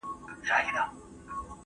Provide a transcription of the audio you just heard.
حکومت بايد د ټولو خلګو ساتنه وکړي.